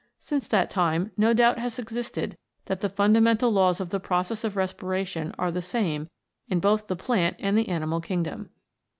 Since that time no doubt has existed that the fundamental laws of the process of respiration are the same in both the plant and the animal kingdom.